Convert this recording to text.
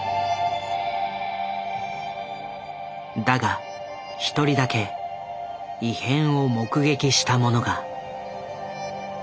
だが１人だけ異変を目撃した者が。